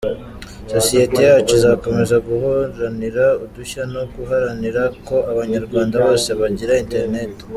Sosiyete yacu izakomeza guharanira udushya no guharanira ko Abanyarwanda bose bagira internet.